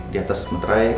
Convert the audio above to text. di atas meterai